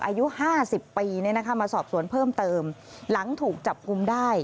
อายุห้าสิบปีมาสอบสวนเพิ่มเติมหลังถูกจับกลุ่มได้